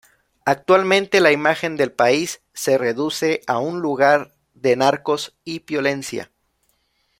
Actualmente la imagen del país se reduce a un lugar de narcos y violencia.